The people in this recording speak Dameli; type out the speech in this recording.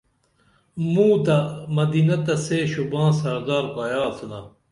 موں تہ مدینہ تہ سے شوباں سردار کایہ آڅِنا